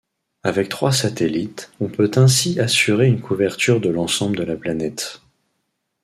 Avec trois satellites on peut ainsi assurer une couverture de l'ensemble de la planète.